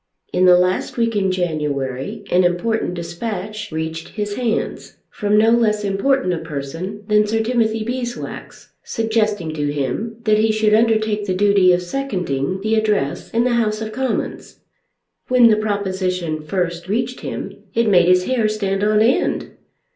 In the last week in January an important despatch reached his hands, from no less important a person than Sir Timothy Beeswax, suggesting to him that he should undertake the duty of seconding the address in the House of Commons. When the proposition first reached him it made his hair stand on end.